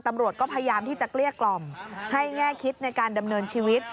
ตำรวจก็พยายามที่จะเกลี้ยกล่อมให้แง่คิดในการดำเนินชีวิต